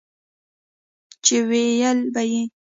چې وييل به يې